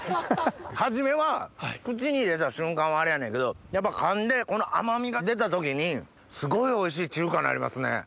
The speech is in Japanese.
初めは口に入れた瞬間はあれやねんけどやっぱかんで甘味が出た時にすごいおいしい中華になりますね。